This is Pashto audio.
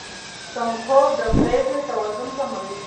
کم خوب د پرېکړې توان کموي.